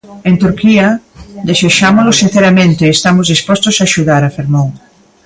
En Turquía desexámolo sinceramente e estamos dispostos a axudar, afirmou.